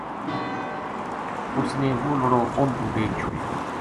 اُس نے وہ لڑو اُنھ پو بیچ چھوڈیو